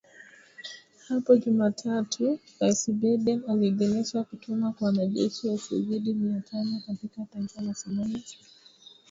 Hapo Jumatatu Rais Biden aliidhinisha kutumwa kwa wanajeshi wasiozidi mia tano katika taifa la Somalia.